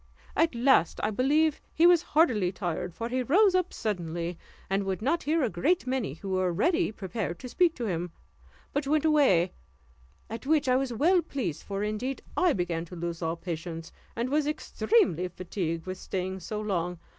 At last I believe he was heartily tired, for he rose up suddenly, and would not hear a great many who were ready prepared to speak to him, but went away, at which I was well pleased, for indeed I began to lose all patience, and was extremely fatigued with staying so long.